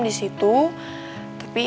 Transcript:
di situ tapi